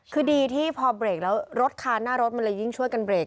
คือดีที่พอเบรกแล้วรถคาหน้ารถมันเลยยิ่งช่วยกันเรก